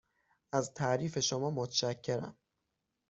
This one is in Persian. از تعریف شما متشکرم.